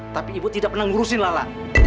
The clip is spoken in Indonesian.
tapi ibu tidak pernah ngurusin lala